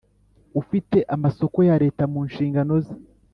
ufite amasoko ya Leta mu nshingano ze